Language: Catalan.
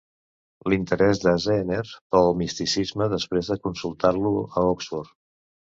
L'interès de Zaehner pel misticisme, després de consultar-lo a Oxford.